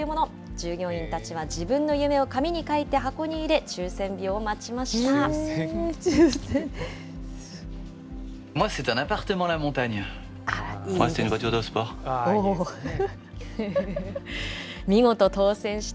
従業員たちは自分の夢を紙に書いて箱に入れ、抽せん日を待ちました。